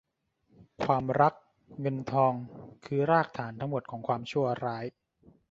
ความรักเงินทองคือรากฐานทั้งหมดของความชั่วร้าย